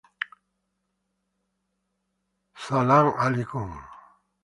کور کې څوک دی؟